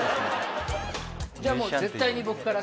じゃあもう絶対に僕から。